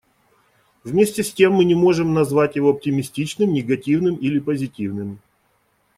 Вместе с тем, мы не можем назвать его оптимистичным, негативным или позитивным.